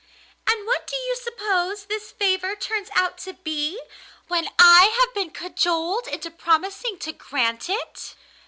And what do you suppose this favour turns out to be when I have been cajoled into promising to grant it?